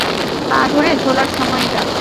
পা ধরে ঝোলার সময় এটা?